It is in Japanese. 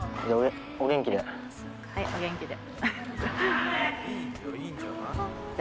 はいお元気で。